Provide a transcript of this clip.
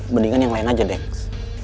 mendingan yang lain aja deks